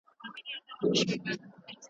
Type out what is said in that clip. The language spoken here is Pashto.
رقیبان به دي په دوو سترګو ړانده سي.